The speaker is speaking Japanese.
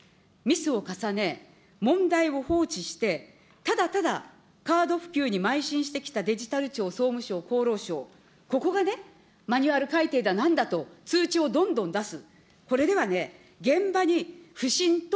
ミスを重ね、問題を放置して、ただただカード普及にまい進してきたデジタルしょう、総務省、厚労省、ここがね、マニュアル改訂だなんだと、通知をどんどん出す。